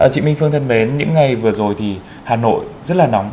chị minh phương thân mến những ngày vừa rồi thì hà nội rất là nóng